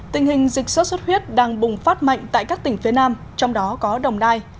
tình hình dịch sốt xuất huyết đang bùng phát mạnh tại các tỉnh phía nam trong đó có đồng nai